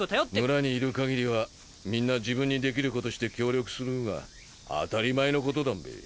村にいるかぎりはみんな自分にできることして協力するんは当たり前のことだんべ。